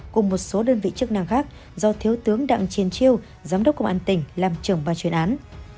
cùng một số đơn vị chức năng khác do thiếu tướng đặng chiên chiêu giám đốc công an tỉnh làm trưởng ban chuyên án